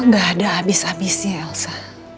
gak ada abis abisnya elsa